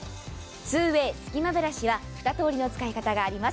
２ＷＡＹすき間ブラシは２通りの使い方があります。